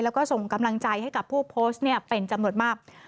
แล้วก็ส่งกำลังใจให้กับผู้โพสต์เป็นจำนวนมาก